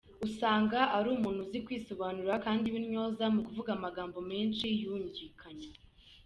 Usanga ari umuntu uzi kwisobanura kandi w’intyoza mu kuvuga amagambo menshi yungikanya.